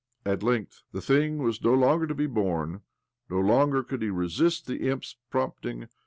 At length the thing was no longer to be borne ; no longer could he resist the imp's prompting.